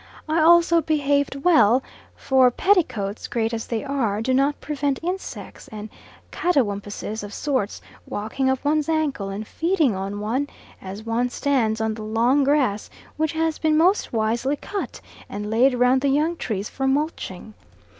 I also behaved well, for petticoats, great as they are, do not prevent insects and catawumpuses of sorts walking up one's ankles and feeding on one as one stands on the long grass which has been most wisely cut and laid round the young trees for mulching.